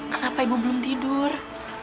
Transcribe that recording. kenapa ibu belum tidur